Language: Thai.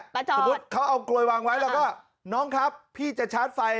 สมมุติเขาเอากลวยวางไว้แล้วก็น้องครับพี่จะชาร์จไฟ